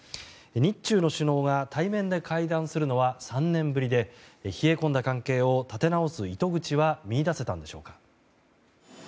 日中の首脳が対面で会談するのは３年ぶりで冷え込んだ関係を立て直す糸口は見いだせたんでしょうか。